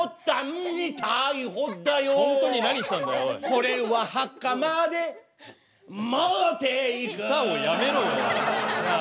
これは墓まで持っていく歌をやめろよじゃあ。